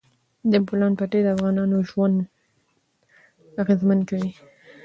د بولان پټي د افغانانو ژوند اغېزمن کوي.